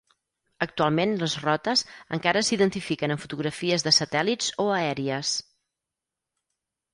Actualment les rotes encara s'identifiquen en fotografies de satèl·lits o aèries.